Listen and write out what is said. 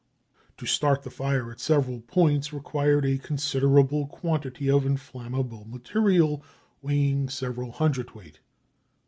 To start the fire at several points required a considerable quantity of inflammable material, weighing several hundredweight.